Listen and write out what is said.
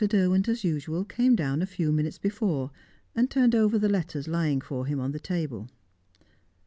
Derwent, as usual, came down a few minutes before, and turned over the letters lying for him on the table.